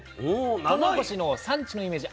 とうもろこしの産地のイメージ